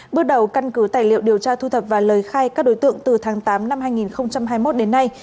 bước đầu căn cứ tài liệu điều tra thu thập và lời khai các đối tượng từ tháng tám năm hai nghìn hai mươi một đến nay